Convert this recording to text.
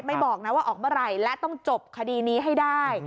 บอกนะว่าออกเมื่อไหร่และต้องจบคดีนี้ให้ได้